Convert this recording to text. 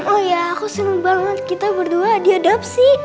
oh ya aku seneng banget kita berdua diadopsi